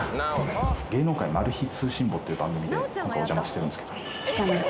「『芸能界マル秘通信簿』って番組でお邪魔してるんですけど」